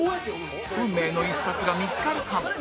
運命の一冊が見つかるかも